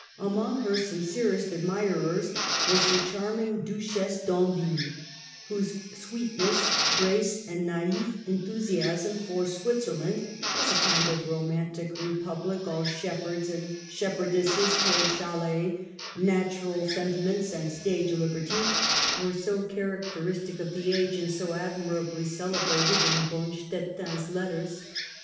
Among her sincerest admirers was the charming Duchess d'Enville, whose sweetness, grace, and naif enthusiasm for Swit zerland (as a kind of romantic republic, all shep herds and shepherdesses, toy chilets, natural sentiments and stage liberty) were so character istic of the age, and so admiringly celebrated in Bonstetten's letters.